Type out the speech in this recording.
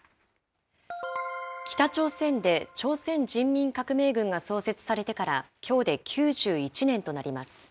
北朝鮮で朝鮮人民革命軍が創設されてから、きょうで９１年となります。